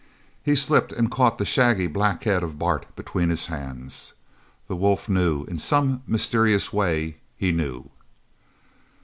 He slipped and caught the shaggy black head of Bart between his hands. The wolf knew in some mysterious way he knew!